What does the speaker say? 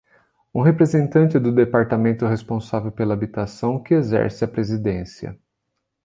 Um representante do departamento responsável pela habitação, que exerce a presidência.